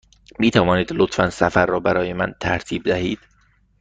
می توانید لطفاً سفر را برای من ترتیب دهید؟